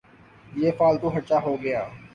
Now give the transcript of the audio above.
یہ فالتو خرچہ ہو گیا۔